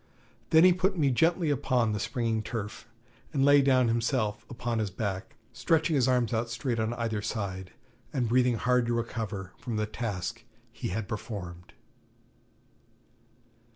Then he put me gently upon the springy turf, and lay down himself upon his back, stretching his arms out straight on either side, and breathing hard to recover from the task he had performed.